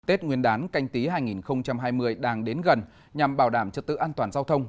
tết nguyên đán canh tí hai nghìn hai mươi đang đến gần nhằm bảo đảm trật tự an toàn giao thông